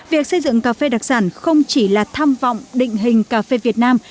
việc xây dựng cà phê đặc sản không chỉ là tham vọng định hình cà phê việt nam